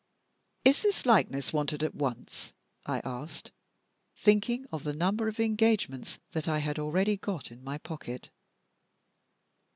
"Is this likeness wanted at once?" I asked, thinking of the number of engagements that I had already got in my pocket.